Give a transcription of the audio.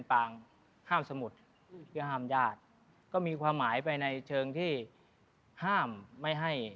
พางมานวิไชยนั้นหมายความว่าชนะ